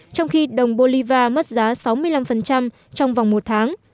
trong khi đồng bolivar mất giá sáu mươi năm trong vòng một tháng